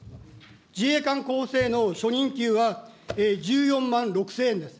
自衛官候補生の初任給は１４万６０００円です。